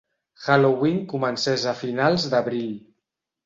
Halloween comencés a finals d'abril.